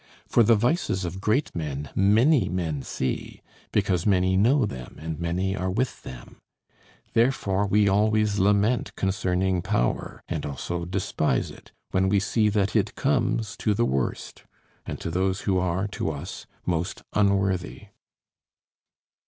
For the vices of great men many men see; because many know them and many are with them. Therefore we always lament concerning power, and also despise it, when we see that it comes to the worst, and to those who are to us most unworthy.